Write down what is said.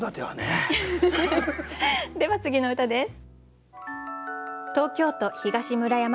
では次の歌です。